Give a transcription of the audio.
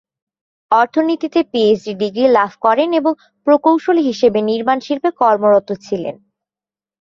অর্থনীতিতে PhD degree লাভ করেন এবং প্রকৌশলী হিসেবে নির্মাণ শিল্পে কর্মরত ছিলেন।